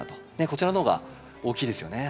こちらの方が大きいですよね